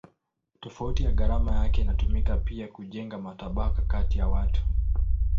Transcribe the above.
Tofauti ya gharama yake inatumika pia kujenga matabaka kati ya watu.